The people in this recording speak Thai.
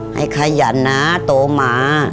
ให้ขยันนะโตมา